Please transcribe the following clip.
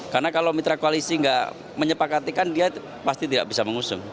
karena kalau mitra koalisi nggak menyepakatikan dia pasti tidak bisa mengusung